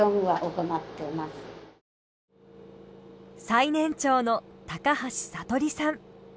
最年長の橋敏さん。